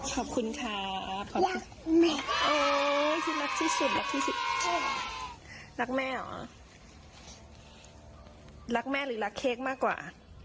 ขอบคุณค่ะรักแม่หรอรักแม่หรือรักเค้กมากกว่า